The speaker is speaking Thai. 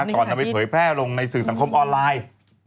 ก่อนนำไปเผยแพร่ลงในสื่อสังคมออนไลน์